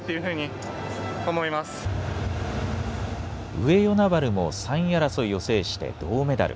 上与那原も３位争いを制して銅メダル。